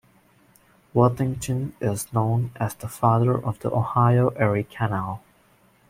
Worthington is known as the "Father of the Ohio-Erie Canal".